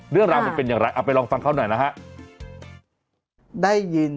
เรื่องราวมันเป็นอย่างไรเอาไปลองฟังเขาหน่อยนะฮะได้ยิน